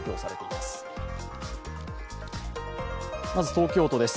まず東京都です。